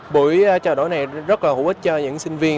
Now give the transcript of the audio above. buổi trao đổi này rất là hữu ích cho những sinh viên